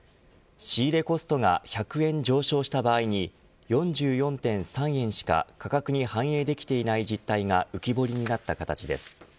仕入れコストが１００円上昇した場合に４４．３円しか価格に反映できていない実態が浮き彫りになった形です。